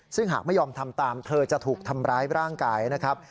ซึ่งหากไม่ยอมทำตามเธอจะถูกทำร้ายร่างกายนะครับ